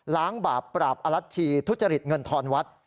ล้างบาปปราบอรัชชีทุจริตเงินทรวรรษ